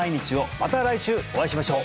また来週お会いしましょう！